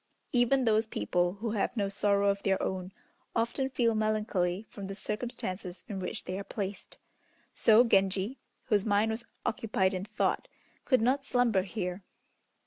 Even those people who have no sorrow of their own often feel melancholy from the circumstances in which they are placed. So Genji, whose mind was occupied in thought, could not slumber here.